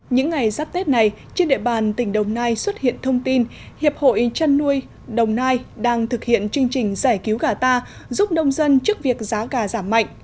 những ngày giáp tết này trên địa bàn tỉnh đồng nai xuất hiện thông tin hiệp hội chăn nuôi đồng nai đang thực hiện chương trình giải cứu gà ta giúp nông dân trước việc giá gà giảm mạnh